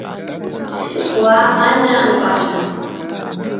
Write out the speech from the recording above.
waa mana upallan